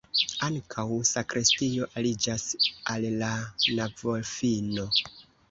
Ankaŭ sakristio aliĝas al la navofino.